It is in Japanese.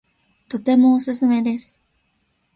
とてもおすすめです